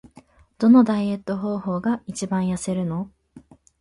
どのダイエット方法が一番痩せるの？